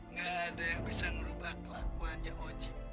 nggak ada yang bisa ngerubah kelakuannya oji